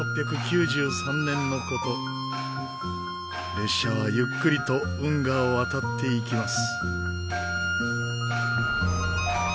列車はゆっくりと運河を渡っていきます。